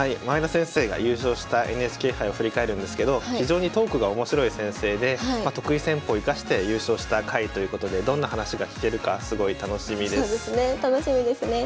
前田先生が優勝したＮＨＫ杯を振り返るんですけど非常にトークが面白い先生で得意戦法を生かして優勝した回ということでどんな話が聞けるかすごい楽しみです。